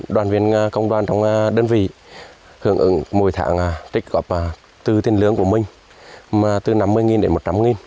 đoàn viên công đoàn trong đơn vị hưởng ứng mỗi tháng trích góp từ tiền lương của mình từ năm mươi đến một trăm linh